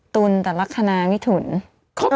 ตนแต่ละคะนะนี่ตุ๋น